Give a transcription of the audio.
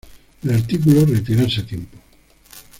El artículo "Retirarse a tiempo.